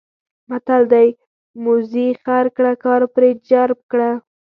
متل دی: موزي خر کړه کار پرې چرب کړه.